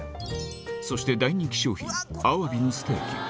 そして大人気商品、アワビのステーキ。